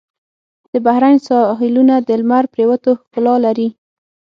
د بحرین ساحلونه د لمر پرېوتو ښکلا لري.